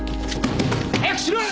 早くしろよ！